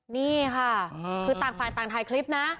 นี่ค่ะคือต่างฝ่ายต่างถ่ายคลิปนะ